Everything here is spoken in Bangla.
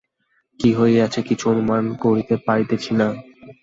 কী হইয়াছে কিছু অনুমান করিতে পারিতেছেন না।